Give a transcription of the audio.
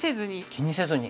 気にせずに？